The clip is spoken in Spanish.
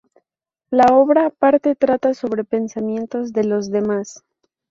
La otra parte trata sobre pensamientos de los demás.